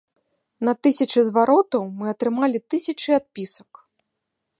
На тысячы зваротаў мы атрымалі тысячы адпісак.